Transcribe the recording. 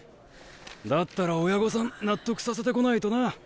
だったら親御さん納得させてこないとな。